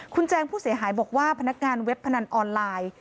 คุณแจงผู้เสียหายบอกว่าพนักงานเว็บพนันออนไลน์